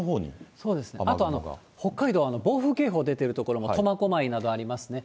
そうですね、あと北海道、暴風警報出てる所も、苫小牧などありますね。